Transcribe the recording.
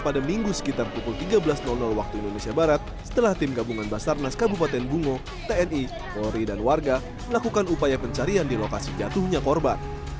pada minggu sekitar pukul tiga belas waktu indonesia barat setelah tim gabungan basarnas kabupaten bungo tni polri dan warga melakukan upaya pencarian di lokasi jatuhnya korban